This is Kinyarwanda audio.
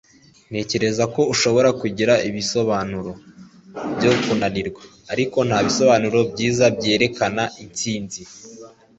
ntekereza ko ushobora kugira ibisobanuro , byo kunanirwa, ariko nta bisobanuro byiza byerekana intsinzi